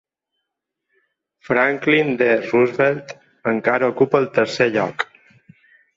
Franklin D. Roosevelt encara ocupa el tercer lloc.